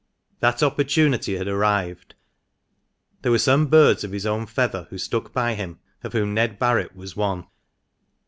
That opportunity had arrived. There were some birds of his own feather, who stuck by him, of whom Ned Barret was one.